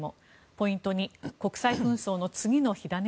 ポイント２国際紛争の次の火種？